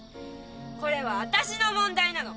これはわたしの問題なの。